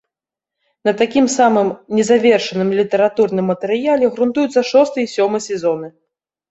На такім самым незавершаным літаратурным матэрыяле грунтуюцца шосты і сёмы сезоны.